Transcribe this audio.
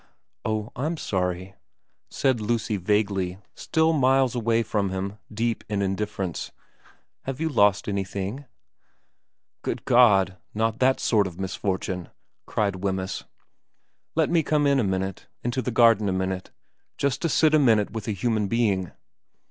i VERA 9 ' Oh, I'm sorry,' said Lucy vaguely, still miles away from him, deep in indifference. ' Have you lost any thing ?'' Good God, not that sort of misfortune !' cried Wemyss. ' Let me come in a minute into the garden a minute just to sit a minute with a human being.